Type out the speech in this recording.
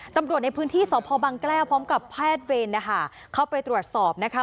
ตำรวจในพื้นที่สพบังแก้วพร้อมกับแพทย์เวรนะคะเข้าไปตรวจสอบนะคะ